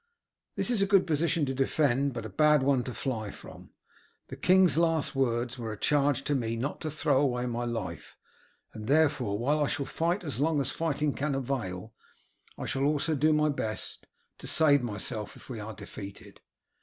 This is a good position to defend, but a bad one to fly from. The king's last words were a charge to me not to throw away my life, and therefore while I shall fight as long as fighting can avail, I shall also do my best to save myself if we are defeated.